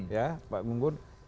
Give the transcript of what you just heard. ya pak kangunggun